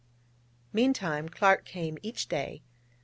Meantime, Clark came each day.